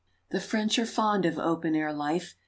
The French are fond of open air life.